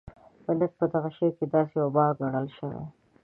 ملت په دغه شعر کې داسې یو باغ ګڼل شوی.